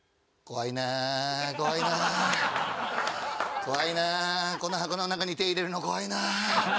怖いなこの箱の中に手入れるの怖いな。